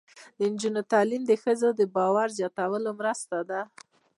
د نجونو تعلیم د ښځو باور زیاتولو مرسته ده.